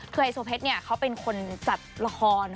คือไฮโซเพชรเขาเป็นคนจัดละคร